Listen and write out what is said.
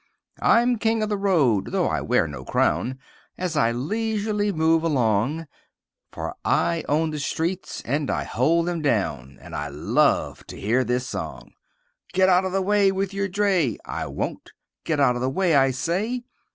I'm king of the road, though I wear no crown, As I leisurely move along, For I own the streets, and I hold them down, And I love to hear this song: "Get out of the way with your dray!" "I won't!" "Get out of the way, I say!"